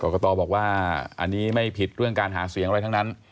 กตบอกว่าอันนี้ไม่ผิดเรื่องการหาเสียงอะไรทั้งนั้น